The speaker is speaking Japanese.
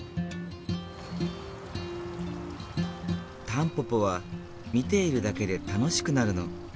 「タンポポは見ているだけで楽しくなるの」。